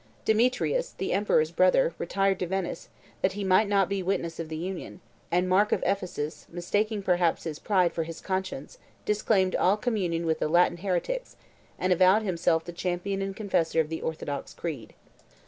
Demetrius, the emperor's brother, retired to Venice, that he might not be witness of the union; and Mark of Ephesus, mistaking perhaps his pride for his conscience, disclaimed all communion with the Latin heretics, and avowed himself the champion and confessor of the orthodox creed.